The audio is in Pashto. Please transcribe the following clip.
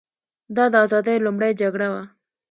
دا د ازادۍ لومړۍ جګړه وه.